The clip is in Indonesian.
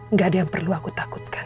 nggak ada yang perlu aku takutkan